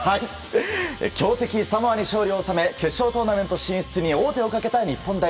強敵サモアに勝利を収め決勝トーナメント進出に王手をかけた日本。